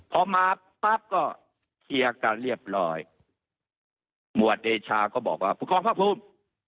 พอมาปั๊บก็เคลียร์กันเรียบร้อยหมวดเดชาก็บอกว่าผู้กองพระภูมิ